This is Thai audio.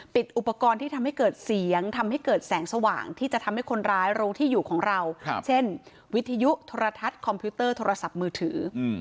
อุปกรณ์ที่ทำให้เกิดเสียงทำให้เกิดแสงสว่างที่จะทำให้คนร้ายรู้ที่อยู่ของเราเช่นวิทยุโทรทัศน์คอมพิวเตอร์โทรศัพท์มือถือ